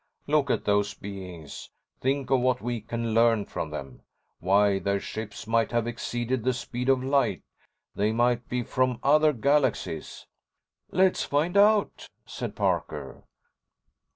Look at those beings. Think of what we can learn from them. Why, their ships might have exceeded the speed of light. They might be from other galaxies!" "Let's find out," said Parker.